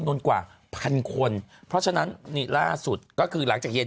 นนท์กว่าพันคนเพราะฉะนั้นนี่ล่าสุดก็คือหลังจากเย็น